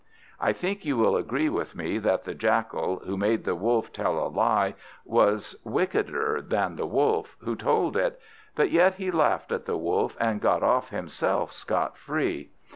I think you will agree with me, that the Jackal, who made the Wolf tell a lie, was wickeder than the Wolf who told it; but yet he laughed at the Wolf, and got off himself scot free.